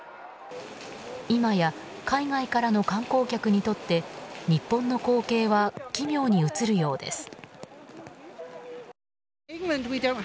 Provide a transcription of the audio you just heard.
今や、海外からの観光客にとって日本の光景は奇妙に映るようです。